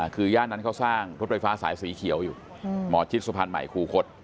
คือย่านนั้นเขาสร้างรถไฟฟ้าสายสีเขียวอยู่หมอชิดสะพานใหม่คูคศ